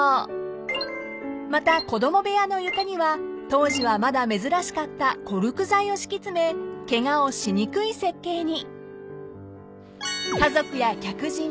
［また子供部屋の床には当時はまだ珍しかったコルク材を敷き詰めケガをしにくい設計に］